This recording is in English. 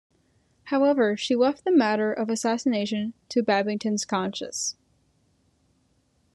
However, she left the matter of the assassination to Babington's conscience.